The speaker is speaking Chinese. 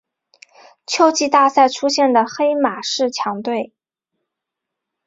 秋季大赛出现的黑马式强队。